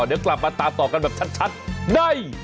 เดี๋ยวกลับมาตามต่อกันแบบชัดใน